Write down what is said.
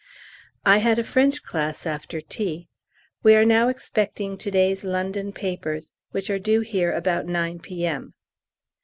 I had a French class after tea. We are now expecting to day's London papers, which are due here about 9 P.M.